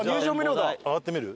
上がってみる？